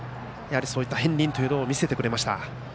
そういった片りんを見せてくれました。